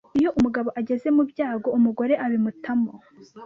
Iyo umugabo ageze mu byago ,umugore abimutamo